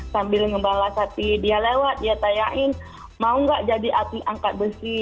sambil ngembalas hati dia lewat dia tayain mau enggak jadi atlet angkat besi